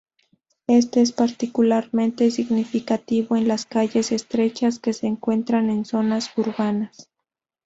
Esto es particularmente significativo en las calles estrechas que se encuentran en zonas urbanas.